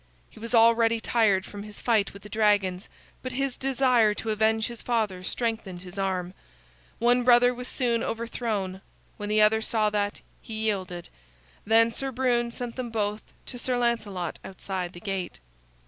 He was already tired from his fight with the dragons, but his desire to avenge his father strengthened his arm. One brother was soon overthrown. When the other saw that, he yielded. Then Sir Brune sent them both to Sir Lancelot outside the gate.